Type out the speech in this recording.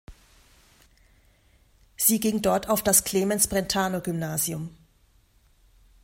Sie ging dort auf das Clemens-Brentano-Gymnasium.